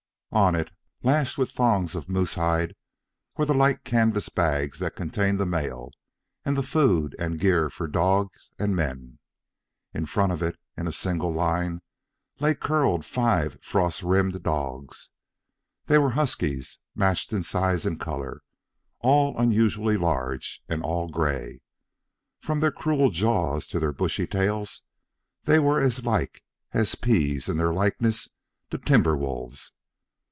On it, lashed with thongs of moose hide, were the light canvas bags that contained the mail, and the food and gear for dogs and men. In front of it, in a single line, lay curled five frost rimed dogs. They were huskies, matched in size and color, all unusually large and all gray. From their cruel jaws to their bushy tails they were as like as peas in their likeness to timber wolves.